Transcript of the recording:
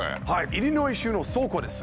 イリノイ州の倉庫です。